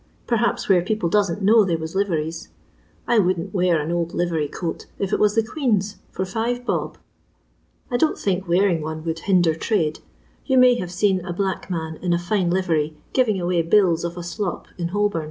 Perhaps where people doesn't know they was liveries. I wouldn t wear an old livery coat, if it was the Queen's, for five bob. I don't think wearing one woald binder trade. Ton may have seen a black nan in a fine livery giving away bills of a slop in Holbom.